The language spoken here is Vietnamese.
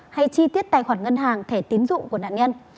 hay chi tiết tài khoản ngân hàng thẻ tín dụng của nạn nhân